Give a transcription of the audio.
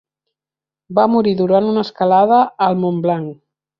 Va morir durant una escalada al Mont Blanc.